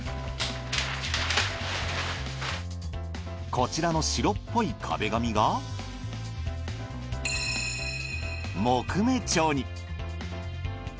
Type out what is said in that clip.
こちらの白っぽい壁紙が木目調に。